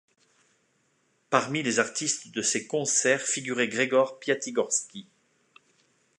Parmi les artistes de ces concerts figurait Gregor Piatigorsky.